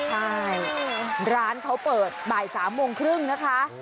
ใช่ร้านเขาเปิดบ่าย๓โมงครึ่งนะคะ